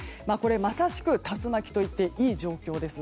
まさしく竜巻と言っていい状況です。